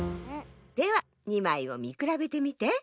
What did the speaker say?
では２まいをみくらべてみて。